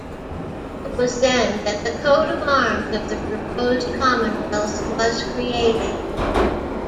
It was then that the coat of arms of the proposed Commonwealth was created.